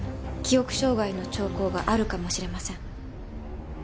記憶障害の兆候があるかもしれません。